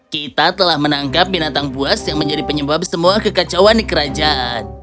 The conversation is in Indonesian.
kita telah menangkap binatang buas yang menjadi penyebab semua kekacauan di kerajaan